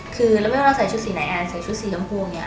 คือแล้วไม่ว่าใส่ชุดสีไหนแอนใส่ชุดสีน้ำพวงเนี่ย